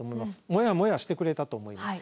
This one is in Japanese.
モヤモヤしてくれたと思います。